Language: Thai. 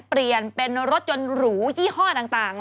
เปลี่ยนเป็นรถยนต์หรูยี่ห้อต่าง